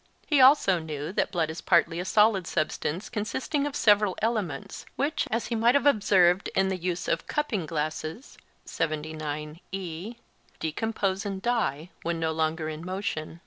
He also knew that blood is partly a solid substance consisting of several elements, which, as he might have observed in the use of 'cupping glasses', decompose and die, when no longer in motion.